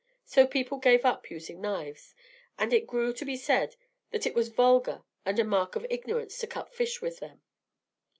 So people gave up using knives, and it grew to be said that it was vulgar and a mark of ignorance to cut fish with them.